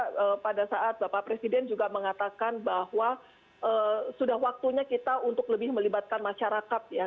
karena pada saat bapak presiden juga mengatakan bahwa sudah waktunya kita untuk lebih melibatkan masyarakat ya